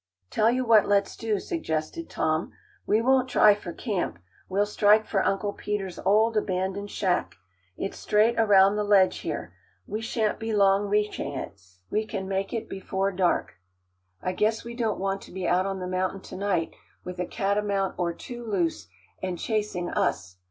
"Tell you what let's do," suggested Tom. "We won't try for camp; we'll strike for Uncle Peter's old, abandoned shack. It's straight around the ledge here. We shan't be long reaching it; we can make it before dark. I guess we don't want to be out on the mountain to night with a catamount or two loose, and chasing us.